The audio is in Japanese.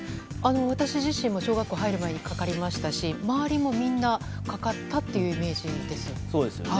私自身も小学校に入る前にかかりましたし周りもみんなかかったというイメージですね。